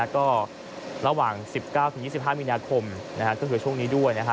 ก็ระหว่าง๑๙๒๕มีนาคมก็คือช่วงนี้ด้วยนะฮะ